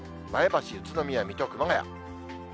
前橋、宇都宮、水戸、熊谷。